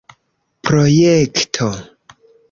projekto